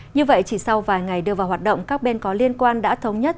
như vậy chỉ sau vài ngày đưa vào hoạt động các bên có liên quan đã thống nhất